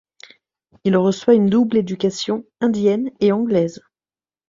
Il reçoit une double éducation, indienne et anglaise.